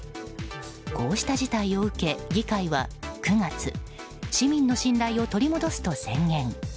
こうした事態を受け、議会は９月市民の信頼を取り戻すと宣言。